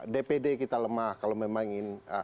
dpd kita lemah kalau memang ingin